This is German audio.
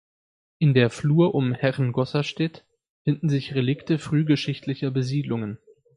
In der Flur um Herrengosserstedt finden sich Relikte frühgeschichtlicher Besiedlungen.